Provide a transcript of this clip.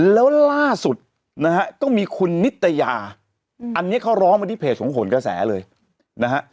แล้วล่าสุดนะฮะก็มีคุณนิตยาอันนี้เขาร้องมาที่เพจของขนกระแสเลยนะฮะ